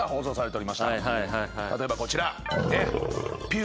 例えばこちら。